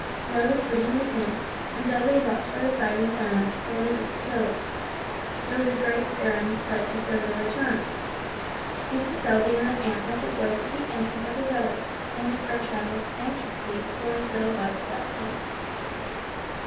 Roy was put in with him, and Dudley walked by the side in silence until they reached the village. There was a great stir and excitement over their return. Mrs. Selby and their aunt met the boys at the entrance of the village, and Miss Bertram looked anxiously at Roy's little white set face.